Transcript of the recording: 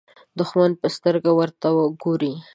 د دښمن په سترګه ورته ګوري.